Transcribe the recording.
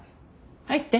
入って。